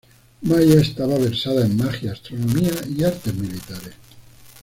Maia estaba versado en magia, astronomía y artes militares.